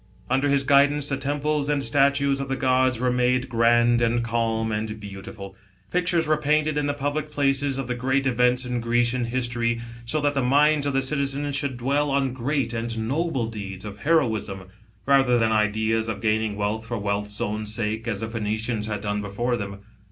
Under his guidance the temples and statues of the guds were made grand and calm and beautiful. Pictures were painted in public places of the great events in Grecian history, so that the minds of the citizens should dwell on great and noble deeds of heroism, rather than ideas of gaining wealth for wealth's own sake, as the Phoenicians had done before them.